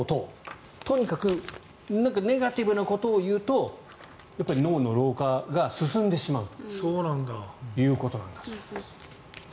とにかくネガティブなことを言うと脳の老化が進んでしまうということなんだそうです。